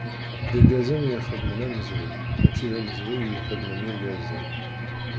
D Irgazen i ixedmen amezruy mači d amezruy i ixedmen Irgazen.